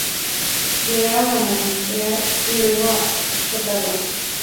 Llegaron a Montreal y luego a Ottawa.